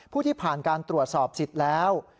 ที่ผ่านการตรวจสอบสิทธิ์แล้ว